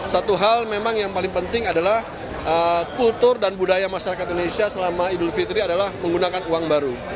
satu hal memang yang paling penting adalah kultur dan budaya masyarakat indonesia selama idul fitri adalah menggunakan uang baru